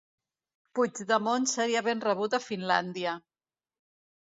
Puigdemont seria ben rebut a Finlàndia